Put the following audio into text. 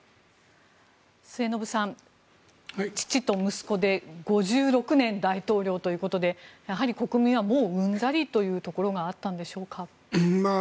末延さん、父と息子で５６年、大統領ということでやはり国民はもううんざりというところがあったんでしょうか。